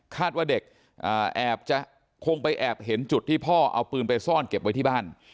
ว่าเด็กแอบจะคงไปแอบเห็นจุดที่พ่อเอาปืนไปซ่อนเก็บไว้ที่บ้าน